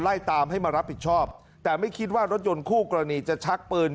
ไล่ตามให้มารับผิดชอบแต่ไม่คิดว่ารถยนต์คู่กรณีจะชักปืน